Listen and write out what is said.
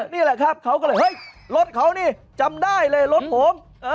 นี่แหละครับเขาก็เลยเฮ้ยรถเขานี่จำได้เลยรถผม